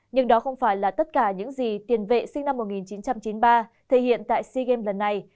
nhưng đó không phải là tất cả những gì tiền vệ sinh năm một nghìn chín trăm chín mươi ba thể hiện tại sea games lần này